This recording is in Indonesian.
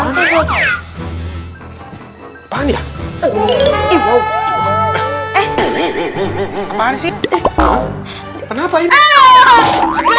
apaan tuh sobat apaan ya iya apaan sih kenapa ini apaan sih eh kenapa sih kamu hei hei